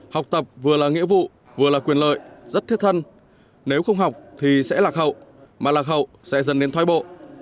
học tập vừa là nghĩa vụ vừa là quyền lợi rất thiết thân nếu không học thì sẽ lạc hậu mà lạc hậu sẽ dần lên thoái bộ